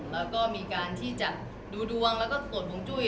แล้วก็มีการที่จัดดูดวังแล้วก็กดผมจุ้ย